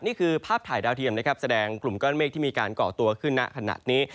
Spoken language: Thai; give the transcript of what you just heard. นี่คือภาพถ่ายดาวเทียมนะครับแสดงกลุ่มก้อนเมฆที่มีการก่อตัวขึ้นณขณะนี้